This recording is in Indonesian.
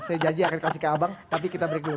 saya janji akan kasih ke abang tapi kita break dulu